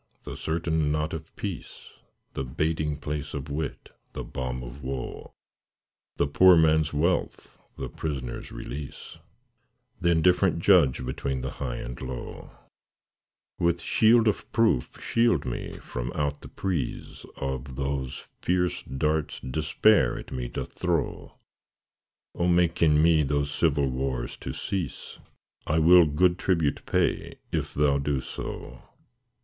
the certain knot of peace, The baiting place of wit, the balm of woe, The poor man's wealth, the prisoner's release, Th' indifferent judge between the high and low; With shield of proof, shield me from out the preaseOf those fierce darts Despair at me doth throw:O make in me those civil wars to cease;I will good tribute pay, if thou do so.